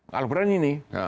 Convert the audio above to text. lalu berani ini